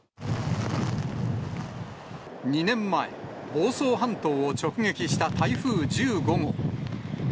２年前、房総半島を直撃した台風１５号。